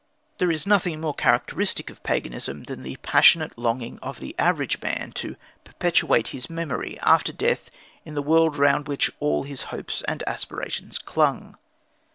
There is nothing more characteristic of paganism than the passionate longing of the average man to perpetuate his memory after death in the world round which all his hopes and aspirations clung.